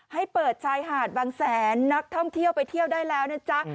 ให้เปิดชายหาดบางแสนนักท่องเที่ยวไปเที่ยวได้แล้วนะจ๊ะ